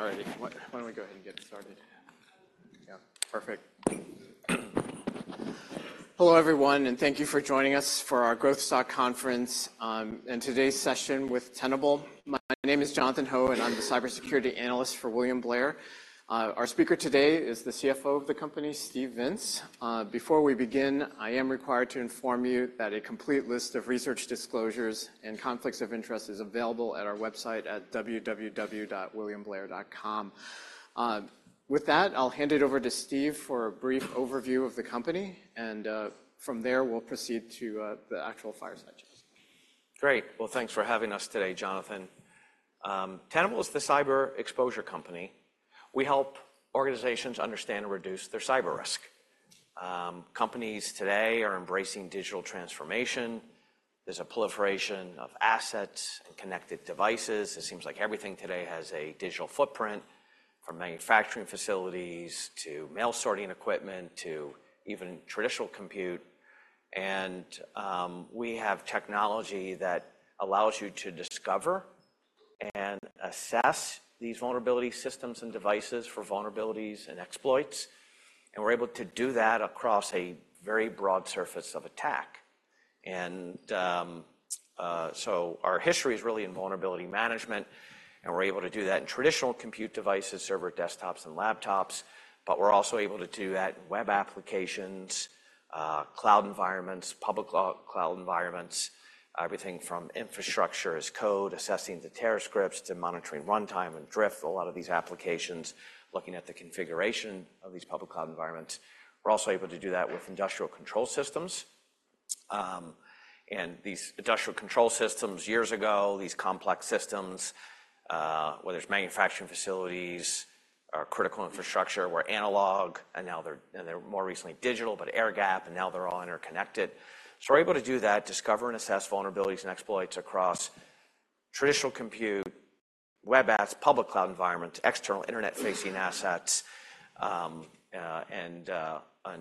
All righty. Why don't we go ahead and get started? Yeah, perfect. Hello, everyone, and thank you for joining us for our Growth Stock Conference, and today's session with Tenable. My name is Jonathan Ho, and I'm the Cybersecurity Analyst for William Blair. Our speaker today is the CFO of the company, Steve Vintz. Before we begin, I am required to inform you that a complete list of research disclosures and conflicts of interest is available at our website at www.williamblair.com. With that, I'll hand it over to Steve for a brief overview of the company, and from there, we'll proceed to the actual fireside chats. Great. Well, thanks for having us today, Jonathan. Tenable is the cyber exposure company. We help organizations understand and reduce their cyber risk. Companies today are embracing digital transformation. There's a proliferation of assets and connected devices. It seems like everything today has a digital footprint, from manufacturing facilities to mail sorting equipment to even traditional compute. And, we have technology that allows you to discover and assess these vulnerability systems and devices for vulnerabilities and exploits, and we're able to do that across a very broad surface of attack. So our history is really in Vulnerability Management, and we're able to do that in traditional compute devices, server, desktops, and laptops, but we're also able to do that in web applications, cloud environments, public cloud environments, everything from infrastructure as code, assessing the Terra scripts to monitoring runtime and drift, a lot of these applications, looking at the configuration of these public cloud environments. We're also able to do that with industrial control systems. And these industrial control systems, years ago, these complex systems, whether it's manufacturing facilities, or critical infrastructure, were analog, and now they're, and they're more recently digital, but air-gapped, and now they're all interconnected. So we're able to do that, discover and assess vulnerabilities and exploits across traditional compute, web apps, public cloud environment, external internet-facing assets, and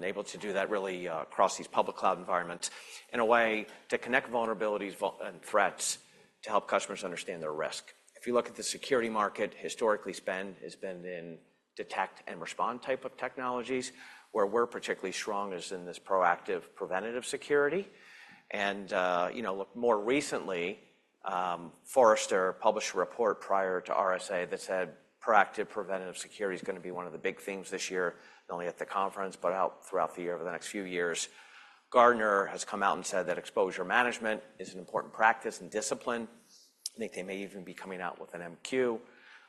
able to do that really across these public cloud environments in a way to connect vulnerabilities and threats to help customers understand their risk. If you look at the security market, historically, spend has been in detect-and-respond type of technologies. Where we're particularly strong is in this proactive, preventative security. And, you know, more recently, Forrester published a report prior to RSA that said, proactive, preventative security is gonna be one of the big themes this year, not only at the conference, but out throughout the year, over the next few years. Gartner has come out and said that Exposure Management is an important practice and discipline. I think they may even be coming out with an MQ,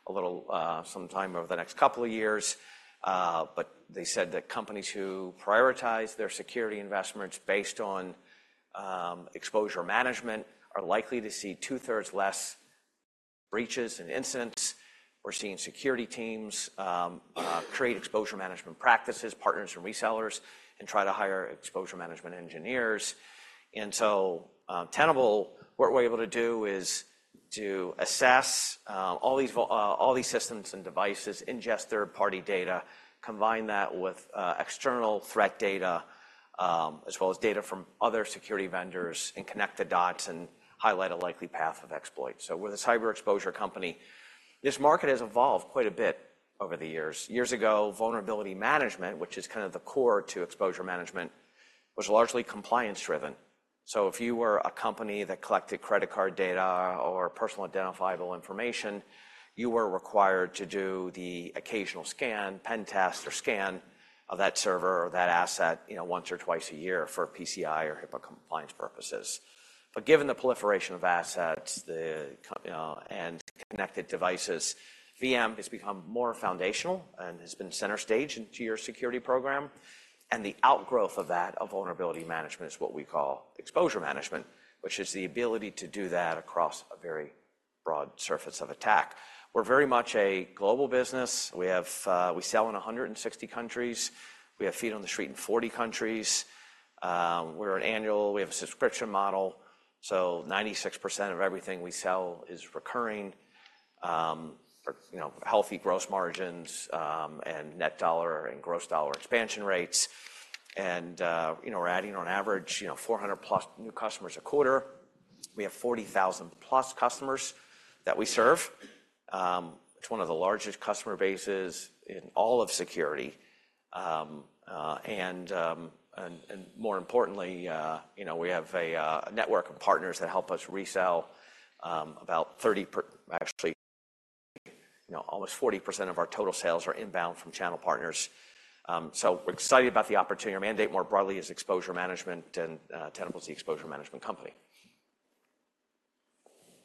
a little, sometime over the next couple of years. But they said that companies who prioritize their security investments based on Exposure Management are likely to see two-thirds less breaches and incidents. We're seeing security teams create Exposure Management practices, partners and resellers, and try to hire Exposure Management engineers. And so, Tenable, what we're able to do is to assess all these systems and devices, ingest third-party data, combine that with external threat data, as well as data from other security vendors, and connect the dots and highlight a likely path of exploit. So we're the cyber exposure company. This market has evolved quite a bit over the years. Years ago, Vulnerability Management, which is kind of the core to Exposure Management, was largely compliance-driven. So if you were a company that collected credit card data or personally identifiable information, you were required to do the occasional scan, pen test, or scan of that server or that asset, you know, once or twice a year for PCI or HIPAA compliance purposes. But given the proliferation of assets, the cloud and connected devices, VM has become more foundational and has been center stage into your security program, and the outgrowth of that, of Vulnerability Management, is what we call Exposure Management, which is the ability to do that across a very broad surface of attack. We're very much a global business. We have, we sell in 160 countries. We have feet on the street in 40 countries. We have a subscription model, so 96% of everything we sell is recurring. You know, healthy gross margins, and net dollar and gross dollar expansion rates. And, you know, we're adding on average, you know, 400+ new customers a quarter. We have 40,000+ customers that we serve, it's one of the largest customer bases in all of security. More importantly, you know, we have a network of partners that help us resell, actually, you know, almost 40% of our total sales are inbound from channel partners. So we're excited about the opportunity. Our mandate, more broadly, is Exposure Management, and Tenable is the Exposure Management company.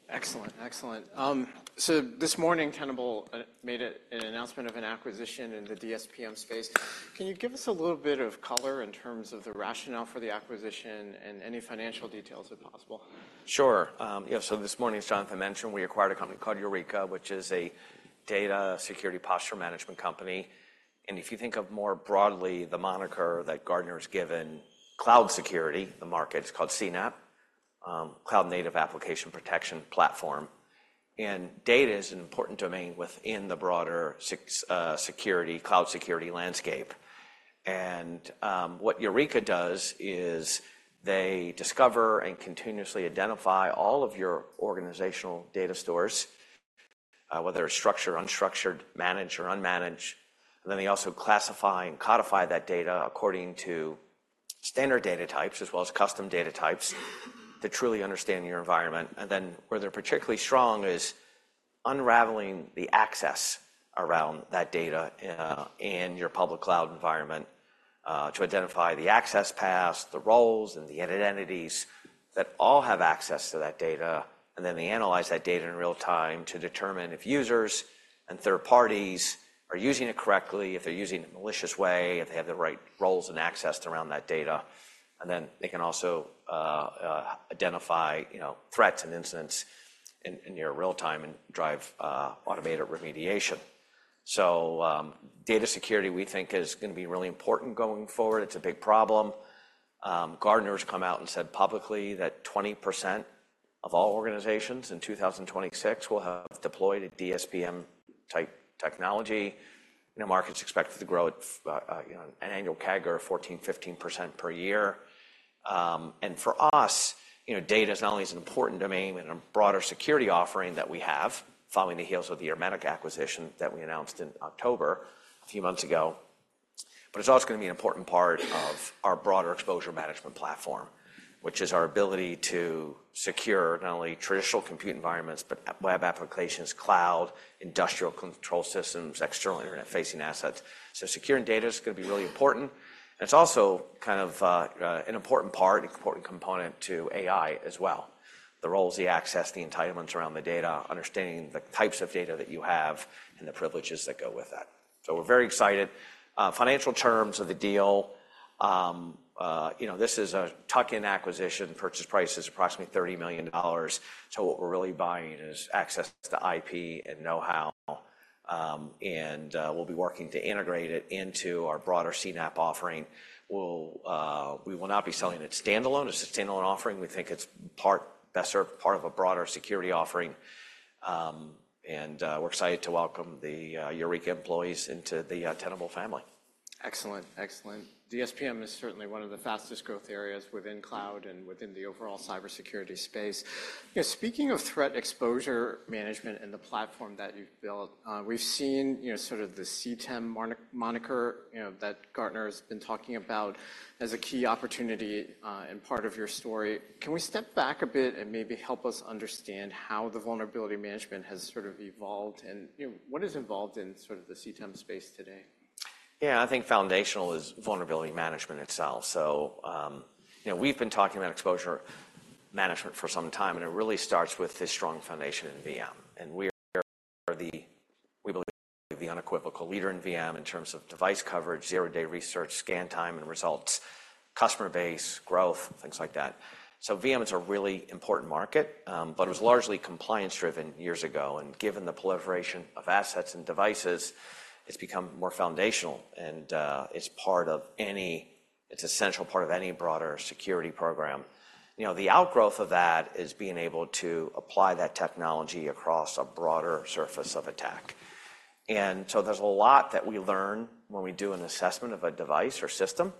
Excellent, excellent. So this morning, Tenable made an announcement of an acquisition in the DSPM space. Can you give us a little bit of color in terms of the rationale for the acquisition and any financial details, if possible? Sure. Yeah, so this morning, as Jonathan mentioned, we acquired a company called Eureka, which is a data security posture management company. And if you think of more broadly, the moniker that Gartner has given cloud security, the market, it's called CNAPP, Cloud Native Application Protection Platform. And data is an important domain within the broader security, cloud security landscape. And what Eureka does is they discover and continuously identify all of your organizational data stores, whether structured, unstructured, managed or unmanaged. And then they also classify and codify that data according to standard data types, as well as custom data types, to truly understand your environment. And then where they're particularly strong is unraveling the access around that data, in your public cloud environment, to identify the access paths, the roles, and the identities that all have access to that data. And then they analyze that data in real time to determine if users and third parties are using it correctly, if they're using it in a malicious way, if they have the right roles and access around that data. And then they can also identify, you know, threats and incidents in near real time and drive automated remediation. So, data security, we think, is gonna be really important going forward. It's a big problem. Gartner's come out and said publicly that 20% of all organizations in 2026 will have deployed a DSPM-type technology. You know, market's expected to grow at, you know, an annual CAGR of 14%-15% per year. And for us, you know, data is not only an important domain and a broader security offering that we have, following on the heels of the Ermetic acquisition that we announced in October, a few months ago, but it's also gonna be an important part of our broader Exposure Management platform, which is our ability to secure not only traditional compute environments, but web applications, cloud, industrial control systems, external internet-facing assets. So securing data is gonna be really important, and it's also kind of an important part, an important component to AI as well. The roles, the access, the entitlements around the data, understanding the types of data that you have and the privileges that go with that. So we're very excited. Financial terms of the deal, you know, this is a tuck-in acquisition. Purchase price is approximately $30 million. So what we're really buying is access to IP and know-how, and we'll be working to integrate it into our broader CNAPP offering. We will not be selling it standalone, as a standalone offering. We think it's best served part of a broader security offering. And we're excited to welcome the Eureka employees into the Tenable family. Excellent, excellent. DSPM is certainly one of the fastest growth areas within cloud and within the overall cybersecurity space. You know, speaking of threat Exposure Management and the platform that you've built, we've seen, you know, sort of the CTEM moniker, you know, that Gartner's been talking about as a key opportunity, and part of your story. Can we step back a bit and maybe help us understand how the Vulnerability Management has sort of evolved, and, you know, what is involved in sort of the CTEM space today? Yeah, I think foundational is Vulnerability Management itself. So, you know, we've been talking about Exposure Management for some time, and it really starts with this strong foundation in VM. And we are the, we believe, the unequivocal leader in VM in terms of device coverage, zero-day research, scan time and results, customer base, growth, things like that. So VM is a really important market, but it was largely compliance-driven years ago, and given the proliferation of assets and devices, it's become more foundational, and it's a central part of any broader security program. You know, the outgrowth of that is being able to apply that technology across a broader surface of attack. So there's a lot that we learn when we do an assessment of a device or system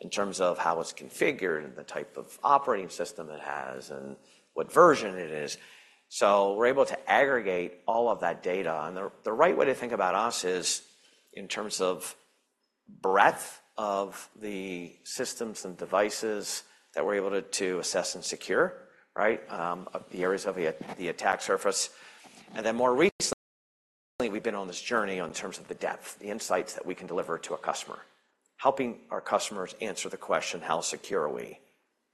in terms of how it's configured and the type of operating system it has and what version it is. We're able to aggregate all of that data, and the right way to think about us is in terms of breadth of the systems and devices that we're able to assess and secure, right, of the areas of the attack surface. More recently, we've been on this journey in terms of the depth, the insights that we can deliver to a customer. Helping our customers answer the question, "How secure are we?"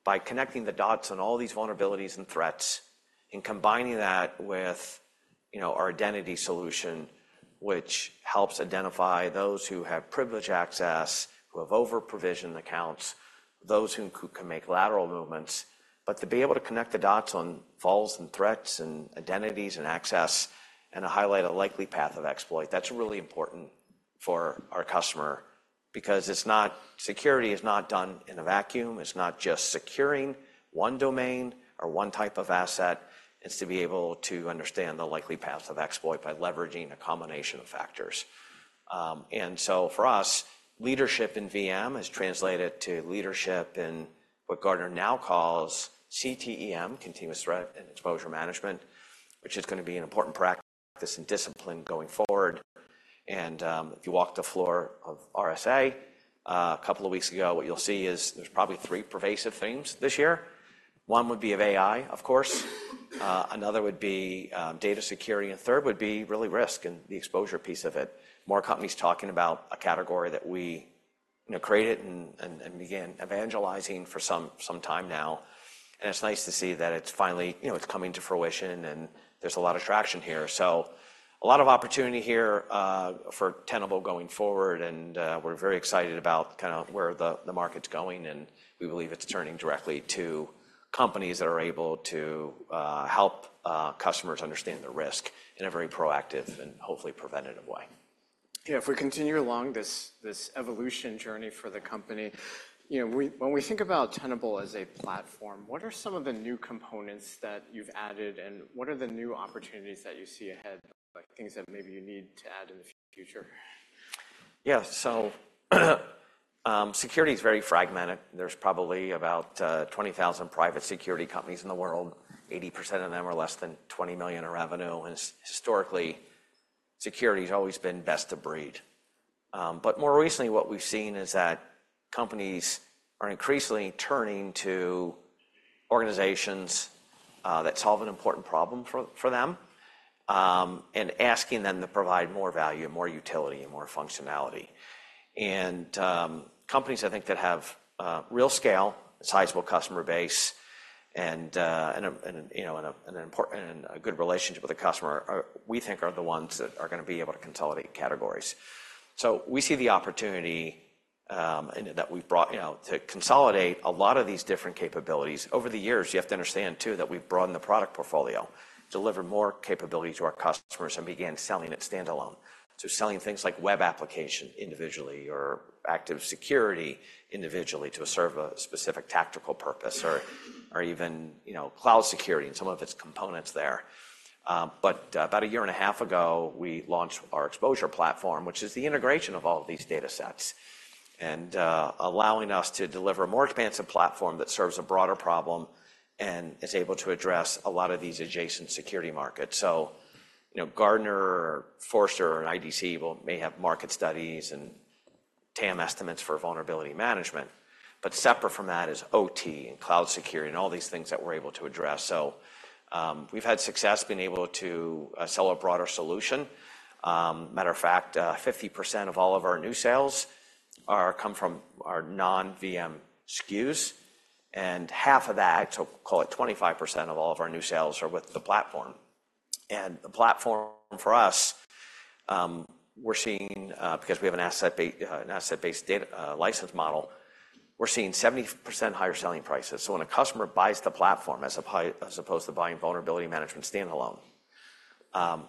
By connecting the dots on all these vulnerabilities and threats and combining that with, you know, our identity solution, which helps identify those who have privileged access, who have over-provisioned accounts, those who can make lateral movements. But to be able to connect the dots on files and threats and identities and access, and to highlight a likely path of exploit, that's really important for our customer because it's not... Security is not done in a vacuum. It's not just securing one domain or one type of asset. It's to be able to understand the likely paths of exploit by leveraging a combination of factors. And so for us, leadership in VM has translated to leadership in what Gartner now calls CTEM, Continuous Threat and Exposure Management, which is gonna be an important practice and discipline going forward. If you walk the floor of RSA a couple of weeks ago, what you'll see is there's probably three pervasive themes this year. One would be of AI, of course. Another would be data security, and third would be really risk and the exposure piece of it. More companies talking about a category that we, you know, created and began evangelizing for some time now, and it's nice to see that it's finally, you know, coming to fruition, and there's a lot of traction here. So a lot of opportunity here for Tenable going forward, and we're very excited about kind of where the market's going, and we believe it's turning directly to companies that are able to help customers understand the risk in a very proactive and hopefully preventative way. Yeah, if we continue along this evolution journey for the company. You know, we, when we think about Tenable as a platform, what are some of the new components that you've added, and what are the new opportunities that you see ahead, like things that maybe you need to add in the future? Yeah. So, security is very fragmented. There's probably about 20,000 private security companies in the world. 80% of them are less than $20 million in revenue, and historically, security has always been best of breed. But more recently, what we've seen is that companies are increasingly turning to organizations that solve an important problem for them and asking them to provide more value, more utility, and more functionality. And companies, I think, that have real scale, a sizable customer base, and you know, an important and a good relationship with the customer are we think are the ones that are going to be able to consolidate categories. So we see the opportunity and that we've brought, you know, to consolidate a lot of these different capabilities. Over the years, you have to understand, too, that we've broadened the product portfolio, delivered more capability to our customers, and began selling it standalone. So selling things like web application individually, or active security individually to serve a specific tactical purpose or even, you know, cloud security and some of its components there. But about a year and a half ago, we launched our exposure platform, which is the integration of all of these data sets, and allowing us to deliver a more expansive platform that serves a broader problem and is able to address a lot of these adjacent security markets. So, you know, Gartner, Forrester, and IDC will, may have market studies and TAM estimates for Vulnerability Management, but separate from that is OT and cloud security and all these things that we're able to address. So, we've had success being able to sell a broader solution. Matter of fact, 50% of all of our new sales come from our non-VM SKUs, and half of that, so call it 25% of all of our new sales, are with the platform. And the platform for us, we're seeing, because we have an asset-based data license model, we're seeing 70% higher selling prices. So when a customer buys the platform as opposed to buying Vulnerability Management standalone,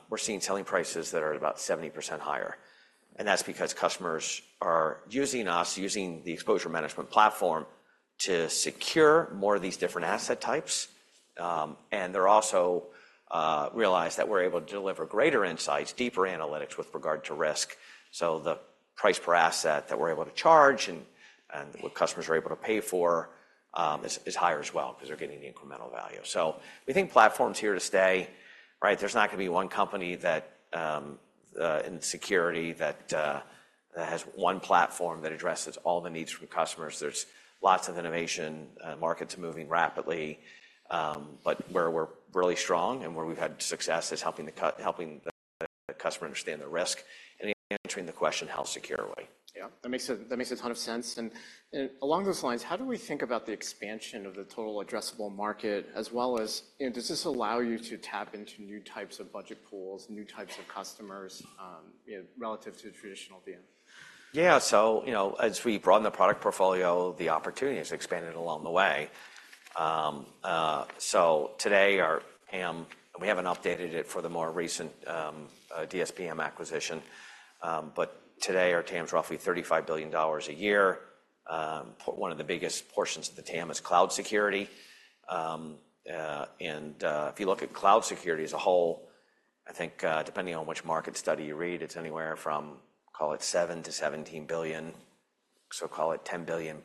we're seeing selling prices that are about 70% higher, and that's because customers are using us, using the Exposure Management platform to secure more of these different asset types. And they're also realize that we're able to deliver greater insights, deeper analytics with regard to risk. So the price per asset that we're able to charge and what customers are able to pay for is higher as well 'cause they're getting the incremental value. So we think platform's here to stay, right? There's not going to be one company that in security that has one platform that addresses all the needs from customers. There's lots of innovation, markets moving rapidly. But where we're really strong and where we've had success is helping the customer understand the risk and answering the question, how secure are we? Yeah, that makes a ton of sense. And along those lines, how do we think about the expansion of the total addressable market, as well as, you know, does this allow you to tap into new types of budget pools, new types of customers, you know, relative to traditional VM? Yeah. So, you know, as we broaden the product portfolio, the opportunity has expanded along the way. So today, our TAM, and we haven't updated it for the more recent, DSPM acquisition, but today, our TAM's roughly $35 billion a year. One of the biggest portions of the TAM is cloud security. And if you look at cloud security as a whole, I think, depending on which market study you read, it's anywhere from, call it $7 billion-$17 billion, so call it $10 billion±.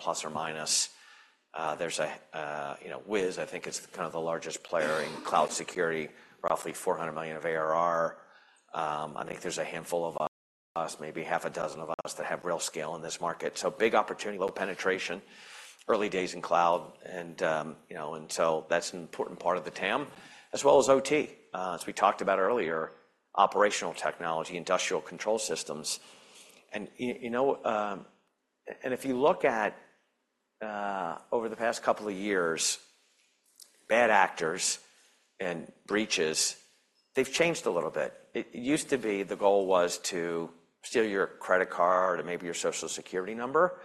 There's a, you know, Wiz, I think, is kind of the largest player in cloud security, roughly $400 million of ARR. I think there's a handful of us, maybe half a dozen of us, that have real scale in this market. So big opportunity, low penetration, early days in cloud, and, you know, and so that's an important part of the TAM, as well as OT. As we talked about earlier, operational technology, industrial control systems. And you know, and if you look at over the past couple of years, bad actors and breaches, they've changed a little bit. It used to be the goal was to steal your credit card and maybe your Social Security number,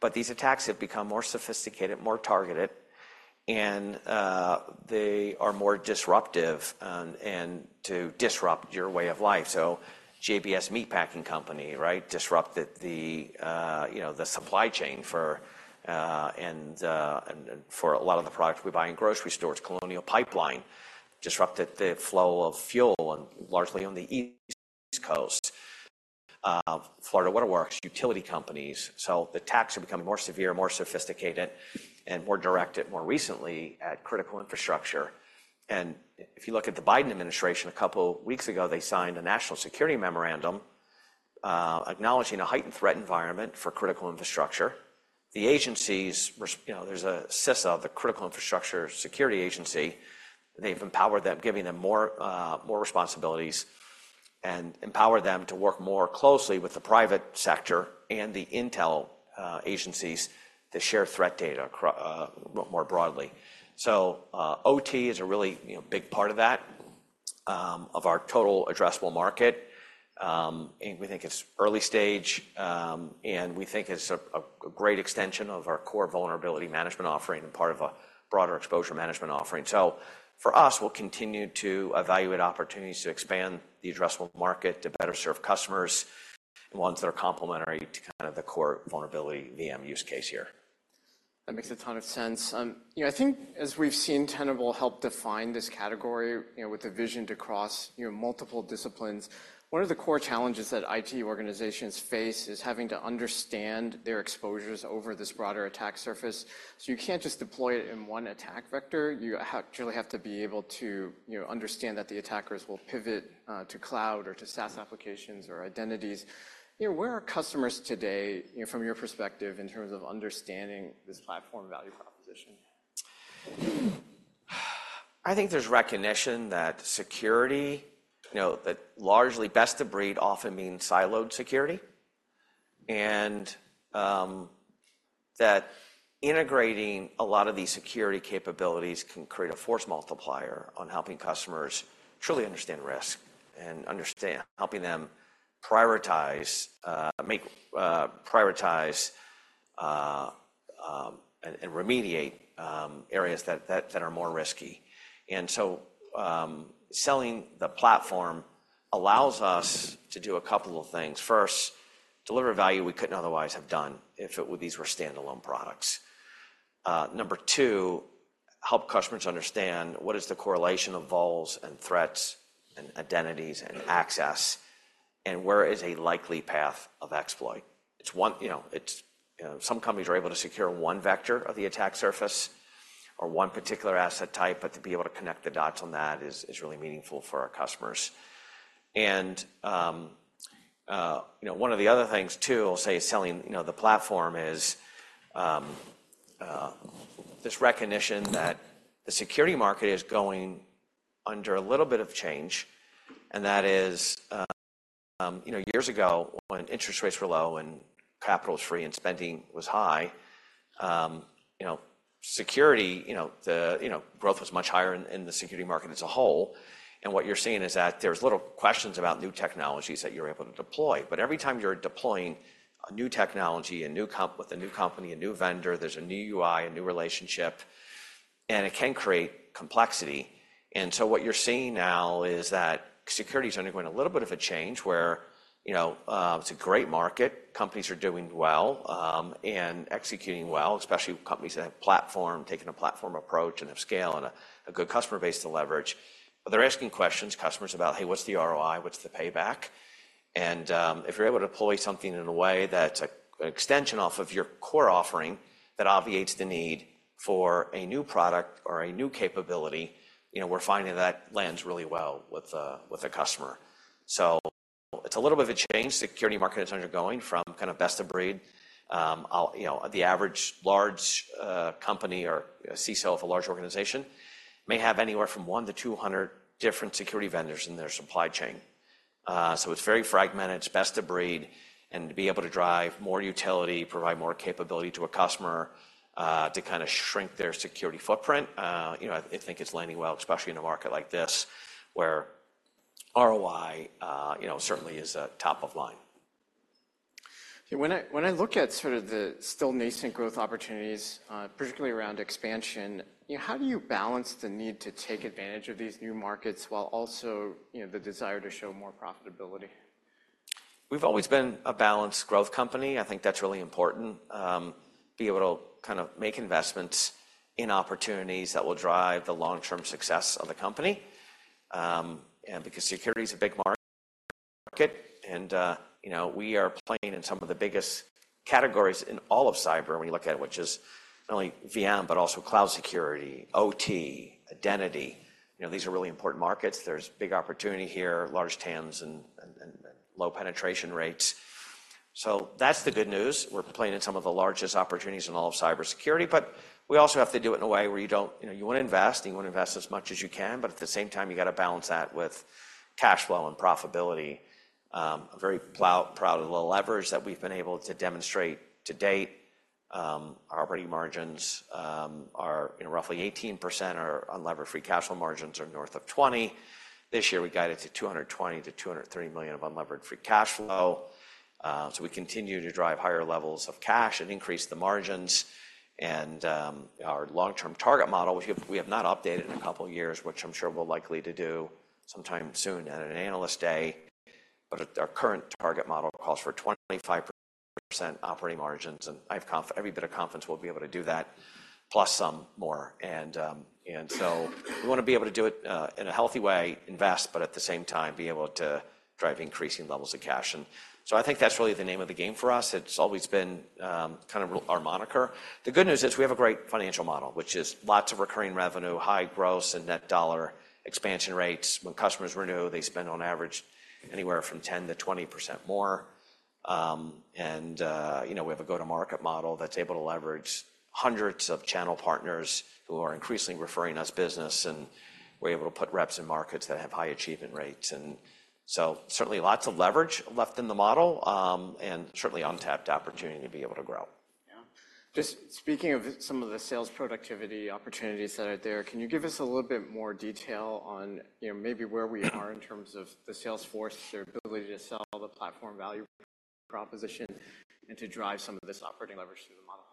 but these attacks have become more sophisticated, more targeted, and they are more disruptive, and to disrupt your way of life. So JBS meat packing company, right, disrupted you know the supply chain for and for a lot of the products we buy in grocery stores. Colonial Pipeline disrupted the flow of fuel and largely on the East Coast. Florida waterworks, utility companies. So the attacks are becoming more severe, more sophisticated, and more directed, more recently, at critical infrastructure. And if you look at the Biden administration, a couple weeks ago, they signed a national security memorandum, acknowledging a heightened threat environment for critical infrastructure. The agencies, you know, there's a CISA, the Cybersecurity and Infrastructure Security Agency, they've empowered them, giving them more, more responsibilities, and empowered them to work more closely with the private sector and the intel, agencies to share threat data more broadly. So, OT is a really, you know, big part of that, of our total addressable market. And we think it's early stage, and we think it's a, a, a great extension of our core Vulnerability Management offering and part of a broader Exposure Management offering. For us, we'll continue to evaluate opportunities to expand the addressable market to better serve customers and ones that are complementary to kind of the core vulnerability VM use case here.... That makes a ton of sense. You know, I think as we've seen, Tenable help define this category, you know, with the vision to cross, you know, multiple disciplines. One of the core challenges that IT organizations face is having to understand their exposures over this broader attack surface. So you can't just deploy it in one attack vector. You truly have to be able to, you know, understand that the attackers will pivot, to cloud or to SaaS applications or identities. You know, where are customers today, you know, from your perspective, in terms of understanding this platform value proposition? I think there's recognition that security, you know, that largely best of breed often means siloed security, and that integrating a lot of these security capabilities can create a force multiplier on helping customers truly understand risk and understand, helping them prioritize and remediate areas that are more risky. And so, selling the platform allows us to do a couple of things. First, deliver value we couldn't otherwise have done if these were standalone products. Number two, help customers understand what is the correlation of vols and threats and identities and access, and where is a likely path of exploit. It's one, you know, it's, you know, some companies are able to secure one vector of the attack surface or one particular asset type, but to be able to connect the dots on that is really meaningful for our customers. And, you know, one of the other things too, I'll say, selling, you know, the platform is this recognition that the security market is going under a little bit of change, and that is, you know, years ago, when interest rates were low and capital was free and spending was high, you know, security, you know, the growth was much higher in the security market as a whole. What you're seeing is that there's little questions about new technologies that you're able to deploy, but every time you're deploying a new technology, a new comp, with a new company, a new vendor, there's a new UI, a new relationship, and it can create complexity. So what you're seeing now is that security is undergoing a little bit of a change where, you know, it's a great market. Companies are doing well, and executing well, especially companies that have platform, taking a platform approach and have scale and a good customer base to leverage. But they're asking questions, customers, about: "Hey, what's the ROI? What's the payback?" And if you're able to deploy something in a way that's an extension off of your core offering, that obviates the need for a new product or a new capability, you know, we're finding that lands really well with a customer. So it's a little bit of a change the security market is undergoing from kind of best of breed. I'll, you know, the average large company or a CISO of a large organization may have anywhere from 1 to 200 different security vendors in their supply chain. So it's very fragmented. It's best of breed, and to be able to drive more utility, provide more capability to a customer, to kinda shrink their security footprint, you know, I, I think it's landing well, especially in a market like this, where ROI, you know, certainly is a top of line. When I look at sort of the still nascent growth opportunities, particularly around expansion, you know, how do you balance the need to take advantage of these new markets while also, you know, the desire to show more profitability? We've always been a balanced growth company. I think that's really important to be able to kind of make investments in opportunities that will drive the long-term success of the company. And because security is a big market, and you know, we are playing in some of the biggest categories in all of cyber when you look at it, which is not only VM, but also cloud security, OT, identity. You know, these are really important markets. There's big opportunity here, large TAMs and low penetration rates. So that's the good news. We're playing in some of the largest opportunities in all of cybersecurity, but we also have to do it in a way where you don't... You know, you want to invest, and you want to invest as much as you can, but at the same time, you got to balance that with cash flow and profitability. I'm very proud of the leverage that we've been able to demonstrate to date. Our operating margins, you know, are roughly 18% are unlevered, free cash flow margins are north of 20. This year, we guided to $220 million-$230 million of unlevered free cash flow. So we continue to drive higher levels of cash and increase the margins. Our long-term target model, which we have not updated in a couple of years, which I'm sure we'll likely to do sometime soon at an Analyst Day. But our current target model calls for 25% operating margins, and I have every bit of confidence we'll be able to do that plus some more. And, and so we wanna be able to do it in a healthy way, invest, but at the same time, be able to drive increasing levels of cash. And so I think that's really the name of the game for us. It's always been kind of our moniker. The good news is we have a great financial model, which is lots of recurring revenue, high gross and net dollar expansion rates. When customers renew, they spend on average anywhere from 10%-20% more. You know, we have a go-to-market model that's able to leverage hundreds of channel partners who are increasingly referring us business, and we're able to put reps in markets that have high achievement rates, and so certainly lots of leverage left in the model, and certainly untapped opportunity to be able to grow. Yeah. Just speaking of some of the sales productivity opportunities that are there, can you give us a little bit more detail on, you know, maybe where we are in terms of the sales force, their ability to sell the platform value proposition, and to drive some of this operating leverage through the model?...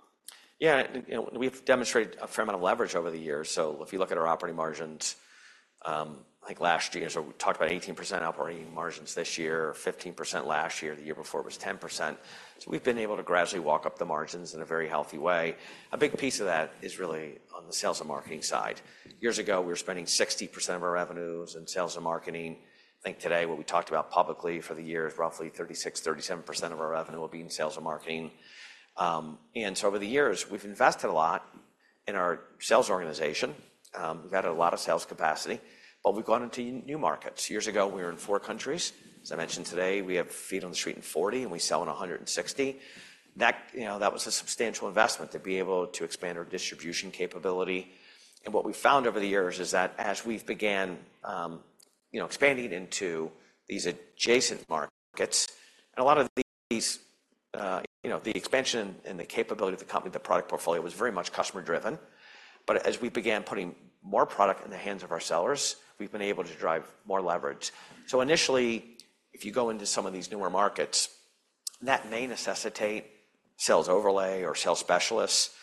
Yeah, you know, we've demonstrated a fair amount of leverage over the years. So if you look at our operating margins, like last year, so we talked about 18% operating margins this year, 15% last year, the year before it was 10%. So we've been able to gradually walk up the margins in a very healthy way. A big piece of that is really on the sales and marketing side. Years ago, we were spending 60% of our revenues in sales and marketing. I think today, what we talked about publicly for the year is roughly 36%-37% of our revenue will be in sales and marketing. And so over the years, we've invested a lot in our sales organization. We've added a lot of sales capacity, but we've gone into new markets. Years ago, we were in 4 countries. As I mentioned today, we have feet on the street in 40, and we sell in 160. That, you know, that was a substantial investment to be able to expand our distribution capability. And what we found over the years is that as we've began, you know, expanding into these adjacent markets, and a lot of these, you know, the expansion and the capability of the company, the product portfolio, was very much customer driven. But as we began putting more product in the hands of our sellers, we've been able to drive more leverage. So initially, if you go into some of these newer markets, that may necessitate sales overlay or sales specialists.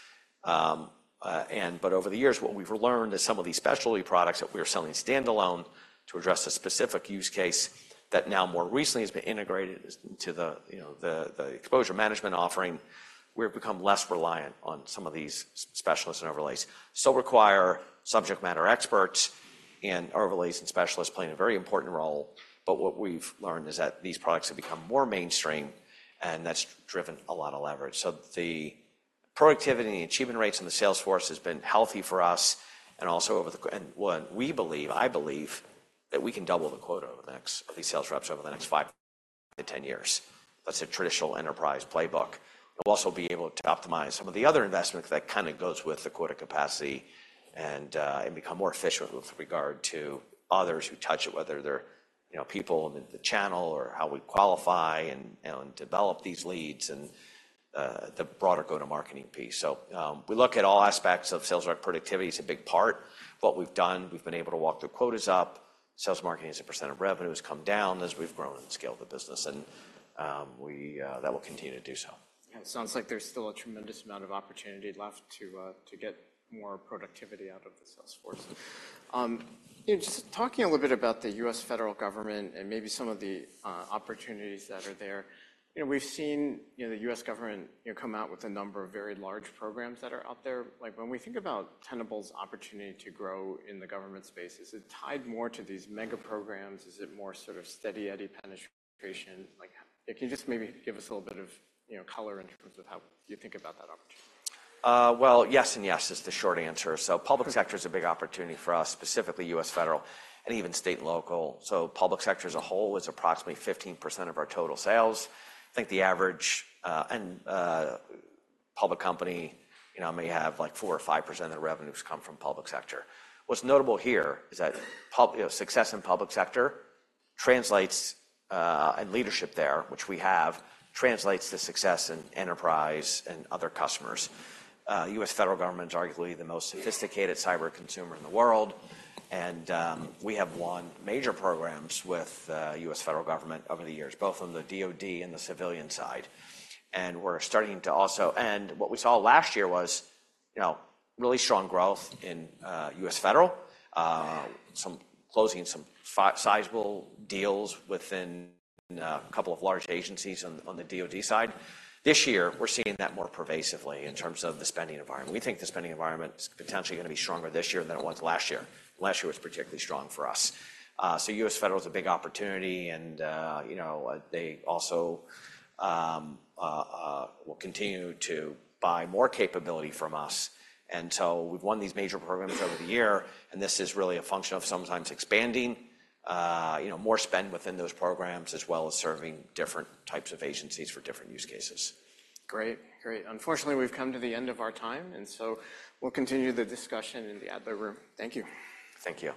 Over the years, what we've learned is some of these specialty products that we are selling standalone to address a specific use case that now more recently has been integrated into the, you know, the Exposure Management offering, we've become less reliant on some of these specialists and overlays. Still require subject matter experts, and overlays and specialists play a very important role, but what we've learned is that these products have become more mainstream, and that's driven a lot of leverage. The productivity and the achievement rates in the sales force has been healthy for us, and also over the... What we believe, I believe, that we can double the quota of these sales reps over the next 5-10 years. That's a traditional enterprise playbook. We'll also be able to optimize some of the other investments that kinda goes with the quota capacity and become more efficient with regard to others who touch it, whether they're, you know, people in the channel or how we qualify and, you know, and develop these leads and the broader go-to-marketing piece. So, we look at all aspects of sales rep productivity as a big part. What we've done, we've been able to walk the quotas up. Sales and marketing as a percent of revenue has come down as we've grown and scaled the business, and that will continue to do so. It sounds like there's still a tremendous amount of opportunity left to get more productivity out of the sales force. You know, just talking a little bit about the U.S. federal government and maybe some of the opportunities that are there. You know, we've seen, you know, the U.S. government, you know, come out with a number of very large programs that are out there. Like, when we think about Tenable's opportunity to grow in the government space, is it tied more to these mega programs? Is it more sort of steady Eddie penetration? Like, can you just maybe give us a little bit of, you know, color in terms of how you think about that opportunity? Well, yes and yes, is the short answer. So public sector is a big opportunity for us, specifically U.S. federal and even state and local. So public sector as a whole is approximately 15% of our total sales. I think the average, public company, you know, may have, like, 4% or 5% of the revenues come from public sector. What's notable here is that... You know, success in public sector translates, and leadership there, which we have, translates to success in enterprise and other customers. U.S. federal government is arguably the most sophisticated cyber consumer in the world, and, we have won major programs with, U.S. federal government over the years, both on the DoD and the civilian side. And we're starting to also... What we saw last year was, you know, really strong growth in U.S. federal, closing some sizable deals within a couple of large agencies on the DoD side. This year, we're seeing that more pervasively in terms of the spending environment. We think the spending environment is potentially gonna be stronger this year than it was last year. Last year was particularly strong for us. So U.S. federal is a big opportunity, and, you know, they also will continue to buy more capability from us. And so we've won these major programs over the year, and this is really a function of sometimes expanding, you know, more spend within those programs, as well as serving different types of agencies for different use cases. Great, great. Unfortunately, we've come to the end of our time, and so we'll continue the discussion in the other room. Thank you. Thank you.